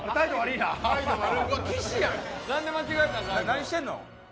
何してんの？